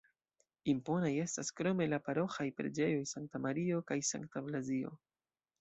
Imponaj estas krome la paroĥaj preĝejoj Sankta Mario kaj Sankta Blazio.